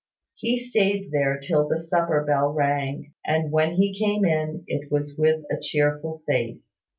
He stayed there till the supper bell rang; and when he came in, it was with a cheerful face.